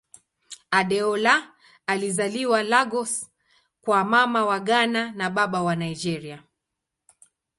Adeola alizaliwa Lagos kwa Mama wa Ghana na Baba wa Nigeria.